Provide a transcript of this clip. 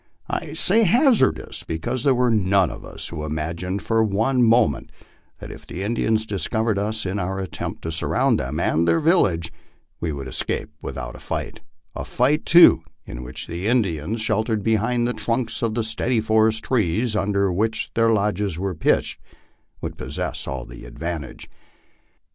I say hazardous, because there were none of us who imagined for one moment that if the Indians discovered us in our attempt to surround them and their vil lage, we would escape without a fight a fight, too, in which the Indians, shel tered behind the trunks of the stately forest trees under which their lodges were pitched, would possess all the advantage.